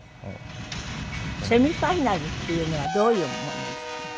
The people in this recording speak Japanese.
セミファイナルっていうのはどういうものですかね？